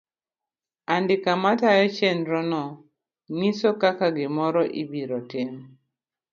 Andika matayo chenrno ng'iso kaka gi moro ibiro tim.